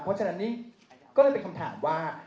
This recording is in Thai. เพราะฉะนั้นนี่ก็เลยเป็นคำถามว่า